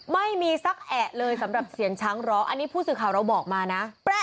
ไม่มีสักแอะเลยสำหรับเสียงช้างร้องอันนี้ผู้สื่อข่าวเราบอกมานะ